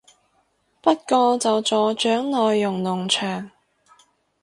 不過就助長內容農場